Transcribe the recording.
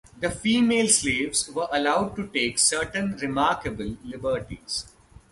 The female slaves were allowed to take certain remarkable liberties.